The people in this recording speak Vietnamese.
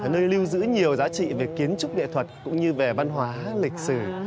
nơi lưu giữ nhiều giá trị về kiến trúc nghệ thuật cũng như về văn hóa lịch sử